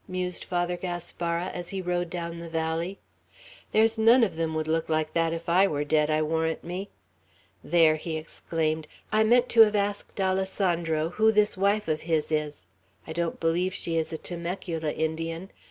mused Father Gaspara, as he rode down the valley. "There's none of them would look like that if I were dead, I warrant me! There," he exclaimed, "I meant to have asked Alessandro who this wife of his is! I don't believe she is a Temecula Indian.